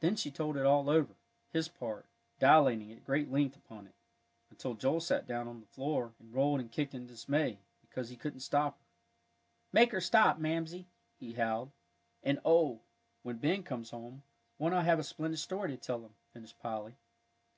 Then she told it all over his part dilating at great length upon it, until Joel got down on the floor and rolled and kicked in dismay, because he couldn't stop her. "Make her stop, Mamsie," he howled. "And oh, when Ben comes home, won't I have a splendid story to tell him!" finished Polly.